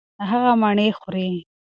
هغه مڼې خوري.